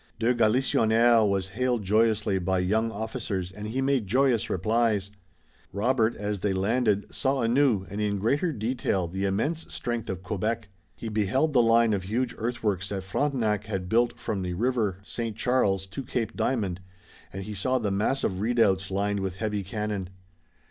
De Galisonnière was hailed joyously by young officers and he made joyous replies. Robert, as they landed, saw anew and in greater detail the immense strength of Quebec. He beheld the line of huge earthworks that Frontenac had built from the river St. Charles to Cape Diamond, and he saw the massive redoubts lined with heavy cannon.